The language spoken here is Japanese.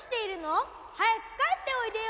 はやくかえっておいでよ。